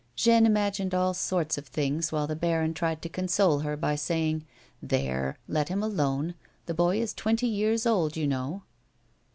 Jeanne imagined all sorts of things, while the baron tried to console her by saying ;" There, let him alone the boy is twenty years old, you know."